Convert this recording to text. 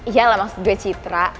yalah maksud gue citra